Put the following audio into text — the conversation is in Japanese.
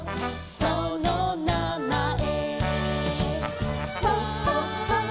そのなまえ」